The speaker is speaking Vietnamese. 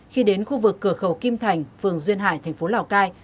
khi đến khu vực cửa khẩu kim thành phường duyên hải tp lào cai